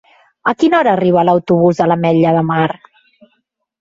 A quina hora arriba l'autobús de l'Ametlla de Mar?